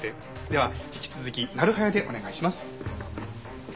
では引き続きなる早でお願いします。